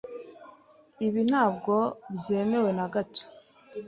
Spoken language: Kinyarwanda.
Ibi ntabwo byemewe na gato.